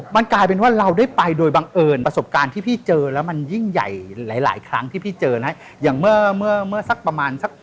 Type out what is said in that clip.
มันกลายเป็นว่าเราได้ไปโดยบังเอิญประสบการณ์ที่พี่เจอแล้วมันยิ่งใหญ่หลายครั้งที่พี่เจอนะฮะ